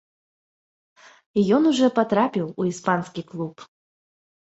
Ён ужо патрапіў у іспанскі клуб.